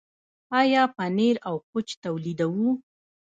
آیا پنیر او کوچ تولیدوو؟